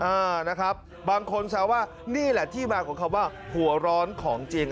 อ่านะครับบางคนแซวว่านี่แหละที่มาของคำว่าหัวร้อนของจริง